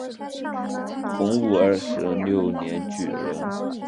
洪武二十六年举人。